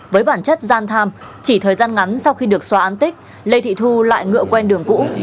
với bản chất gian tham chỉ thời gian ngắn sau khi được xóa án tích lê thị thu lại ngựa quen đường cũ